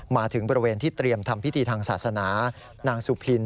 มาถึงบริเวณที่เตรียมทำพิธีทางศาสนานางสุพิน